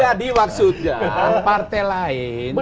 jadi maksudnya partai lain